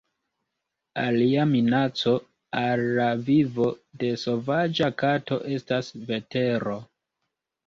Alia minaco al la vivo de sovaĝa kato estas vetero.